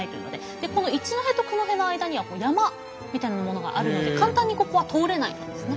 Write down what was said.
でこの一戸と九戸の間には山みたいなものがあるので簡単にここは通れないんですね。